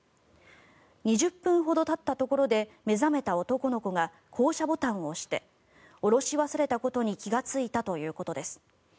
２０分ほどたったところで目覚めた男の子が降車ボタンを押して降ろし忘れたことに気がついたということです。